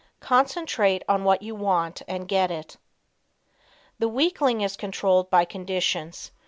Concentrate on What You Want and Get It. The weakling is controlled by conditions.